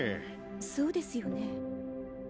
そうですよね。